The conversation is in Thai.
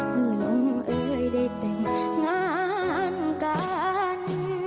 เหมือนองค์เอ้ยได้แต่งงานกัน